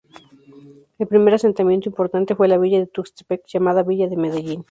El primer asentamiento importante fue la Villa de Tuxtepec llamada Villa de Medellín.